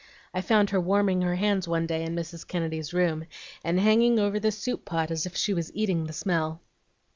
I found her warming her hands one day in Mrs. Kennedy's room, and hanging over the soup pot as if she was eating the smell.